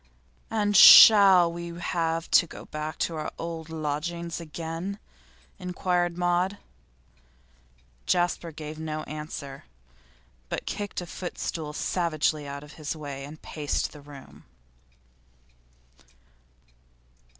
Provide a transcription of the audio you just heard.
'And shall we have to go back to our old lodgings again?' inquired Maud. Jasper gave no answer, but kicked a footstool savagely out of his way and paced the room.